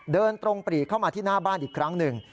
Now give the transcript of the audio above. เดินตรงปรีเข้ามาที่หน้าบ้านอีกครั้งหนึ่ง